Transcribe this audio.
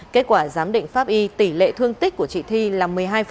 kết quả giám định pháp y tỷ lệ thương tích của chị thi là một mươi hai